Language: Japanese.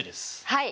はい。